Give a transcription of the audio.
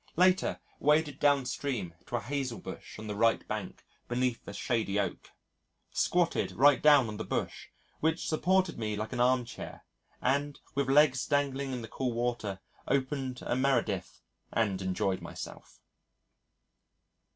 Later, waded downstream to a hazel bush on the right bank beneath a shady oak. Squatted right down on the bush, which supported me like an arm chair and, with legs dangling in the cool water, opened a Meredith and enjoyed myself.